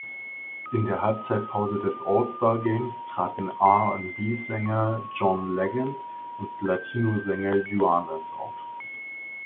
In der Halbzeitpause des All-Star Games traten R&B-Sänger John Legend und Latino-Sänger Juanes auf.